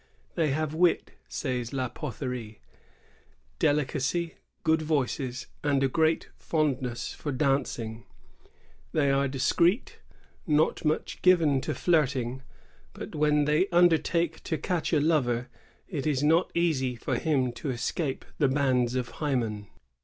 "They have wit," says La Potherie, "deli cacy, good voices, and a great fondness for dancing. They are discreet, and not much given to flirting; but when they undertake to catch a lover, it is not easy for him to escape the bands of Hymen.